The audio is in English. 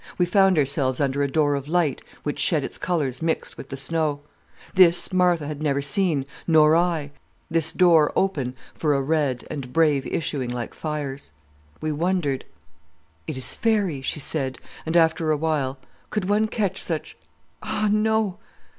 We found ourselves under a door of light which shed its colours mixed with snow. This Martha had never seen, nor I, this door open for a red and brave issuing like fires. We wondered. "'It is faery,' she said, and after a while, 'Could one catch such—— Ah, no!